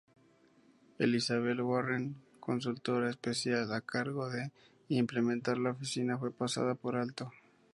Elizabeth Warren, consultora especial a cargo de implementar la oficina, fue pasada por alto.